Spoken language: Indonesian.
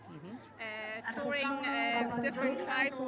dan itu bukan yang ingin kalian lihat